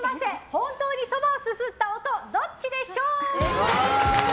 本当にそばをすすった音どっちでＳＨＯＷ！